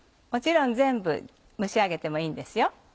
もちろん全部蒸し上げてもいいんですよ。